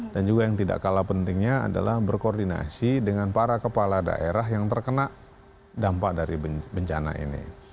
dan juga yang tidak kalah pentingnya adalah berkoordinasi dengan para kepala daerah yang terkena dampak dari bencana ini